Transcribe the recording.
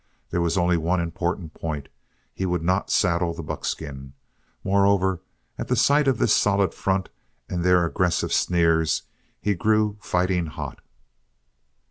There was only one important point: he would not saddle the buckskin. Moreover, at sight of their solid front and their aggressive sneers he grew fighting hot.